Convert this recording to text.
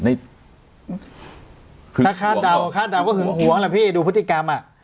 นี่ถ้าข้าดเดาข้าเดาก็หึงหวงอะไรหรือพี่ดูผศกรรมอ่ะ